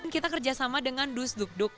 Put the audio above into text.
kita kerjasama dengan dusdukduk